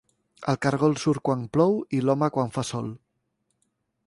El caragol surt quan plou i l'home quan fa sol.